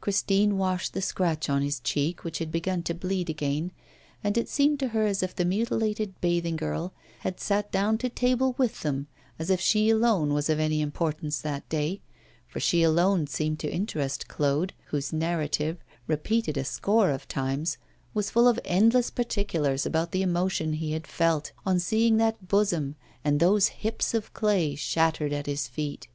Christine washed the scratch on his cheek, which had begun to bleed again, and it seemed to her as if the mutilated bathing girl had sat down to table with them, as if she alone was of any importance that day; for she alone seemed to interest Claude, whose narrative, repeated a score of times, was full of endless particulars about the emotion he had felt on seeing that bosom and those hips of clay shattered at his feet.